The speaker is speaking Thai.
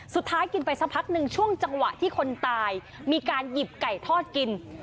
กินไปสักพักหนึ่งช่วงจังหวะที่คนตายมีการหยิบไก่ทอดกิน